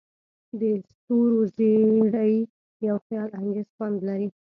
د ستورو زیرۍ یو خیالانګیز خوند لري.